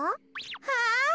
はい。